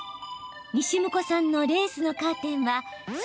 西向さんのレースのカーテンはす